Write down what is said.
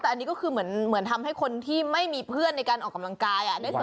แต่อันนี้ก็คือเหมือนทำให้คนที่ไม่มีเพื่อนในการออกกำลังกาย